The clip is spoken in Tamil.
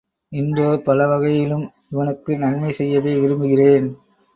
இன்றோ பலவகையிலும் இவனுக்கு நன்மை செய்யவே விரும்புகிறேன்.